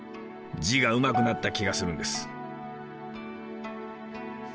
字がうまくなった気がするんです。